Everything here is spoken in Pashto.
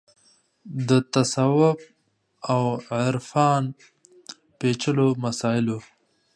د تصوف او عرفان پېچلو مسایلو